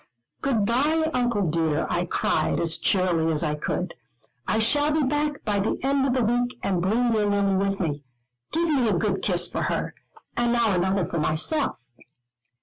"Good bye, Uncle dear," I cried, as cheerily as I could, "I shall be back by the end of the week and bring your Lily with me. Give me a good kiss for her, and now another for myself."